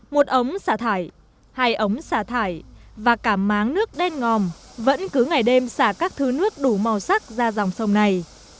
một ống xả thải hai ống xả thải và cả máng nước đen ngòm vẫn cứ ngày đêm xả các thứ nước đủ màu sắc ra dòng sông này